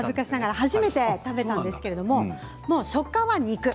初めて食べたんですけれど食感は肉。